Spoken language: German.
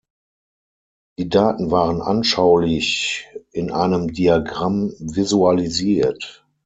Die Daten waren anschaulich in einem Diagramm visualisiert.